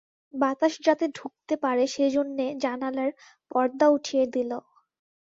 বাতাস যাতে ঢুকতে পারে সে জন্যে জানালার পর্দা উঠিয়ে দিল।